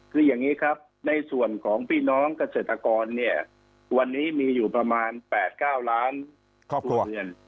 คืออย่างนี้ครับในส่วนของพี่น้องเกษตรกรเนี่ยวันนี้มีอยู่ประมาณ๘๙ล้านครัวเรือน